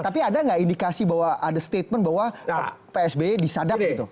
tapi ada nggak indikasi bahwa ada statement bahwa psb disadap gitu